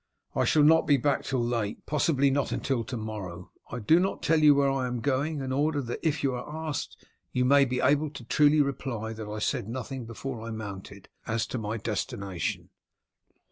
"I shall not be back till late, possibly not until to morrow I do not tell you where I am going, in order that if you are asked you may be able truly to reply that I said nothing before I mounted, as to my destination."